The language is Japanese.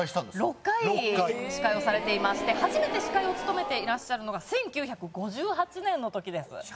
６回司会をされていまして初めて司会を務めていらっしゃるのが１９５８年の時です。